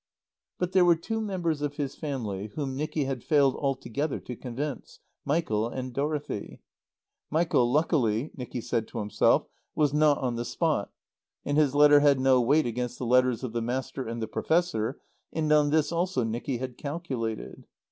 But there were two members of his family whom Nicky had failed altogether to convince, Michael and Dorothy. Michael luckily, Nicky said to himself, was not on the spot, and his letter had no weight against the letters of the Master and the Professor, and on this also Nicky had calculated.